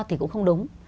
thì cũng không đúng